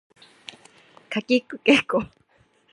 かきくけこ